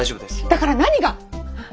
だから何が！？